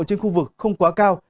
trên khu vực không quá cao